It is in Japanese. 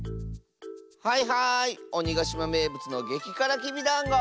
はいはいおにがしまめいぶつのげきからきびだんご。